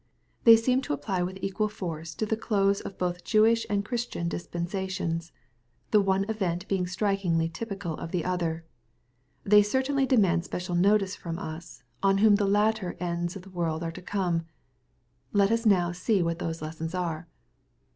(^ They seem to apply with equal force to the close of both Jewish and Christian dispensations, the one event being strikingly typical of the other. They certainly demand special notice from us, on whom the latter ends of the world are come. Let us now see what those lessons are.